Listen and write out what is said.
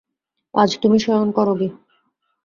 আজ তুমি শয়ন করো গে।